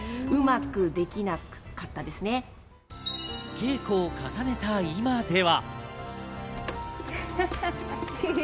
稽古を重ねた今では。